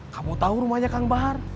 kamu tahu rumahnya kang bahar